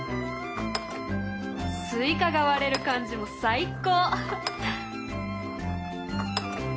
スイカが割れる感じも最高！